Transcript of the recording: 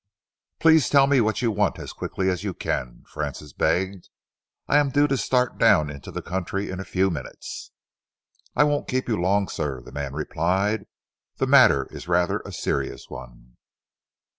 "Please tell me what you want as quickly as you can," Francis begged. "I am due to start down into the country in a few minutes." "I won't keep you long, sir," the man replied. "The matter is rather a serious one."